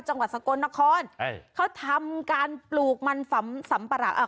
จังหวัดสะกนนครเขาทำการปลูกมันฝัมสำประหลักอ่ะ